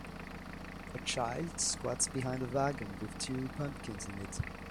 A child squats behind a wagon with two pumpkins in it.